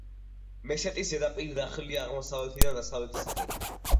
მესეტის ზედაპირი დახრილია აღმოსავლეთიდან დასავლეთისაკენ.